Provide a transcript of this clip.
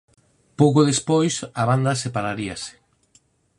Pouco despois a banda separaríase.